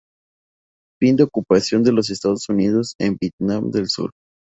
Fin de ocupación de los Estados Unidos en Vietnam del Sur.